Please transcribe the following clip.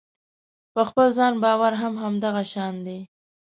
په خپل ځان باور هم همدغه شان دی.